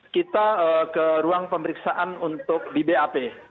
kita ke ruang pemeriksaan untuk b b a p